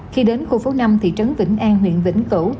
khi đến khu phố năm thị trấn vĩnh an huyện vĩnh cửu